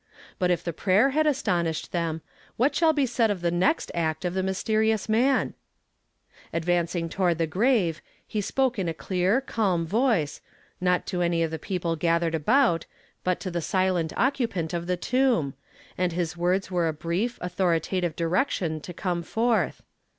But if the prayer had astonished them, what shall be said of the next ret of this mysteri ous man ? Advancing toward the grave, he spoke in a clear, calm voice, not to any of the people gathered about, but to the silent occupant of the tomb; and his words were a brief, authoritative direction to come forth.